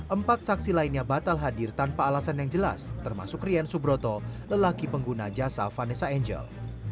empat saksi lainnya batal hadir tanpa alasan yang jelas termasuk rian subroto lelaki pengguna jasa vanessa angel